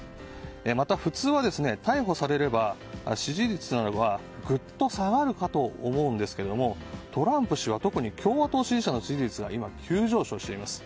また普通は、逮捕されれば支持率などは、ぐっと下がるかと思うんですけどもトランプ氏は特に共和党支持者の支持率が今、急上昇しています。